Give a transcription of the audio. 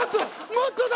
もっとだ！